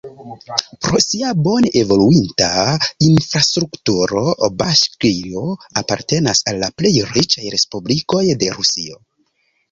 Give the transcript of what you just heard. Pro sia bone evoluinta infrastrukturo Baŝkirio apartenas al la plej riĉaj respublikoj de Rusio.